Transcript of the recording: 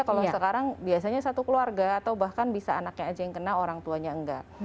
kalau sekarang biasanya satu keluarga atau bahkan bisa anaknya aja yang kena orang tuanya enggak